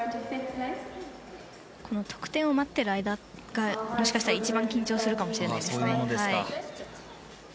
得点を待っている間がもしかしたら一番、緊張するかもしれないですね。